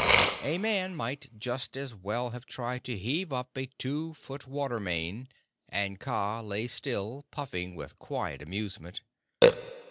A man might just as well have tried to heave up a two foot water main; and Kaa lay still, puffing with quiet amusement.